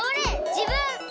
じぶん！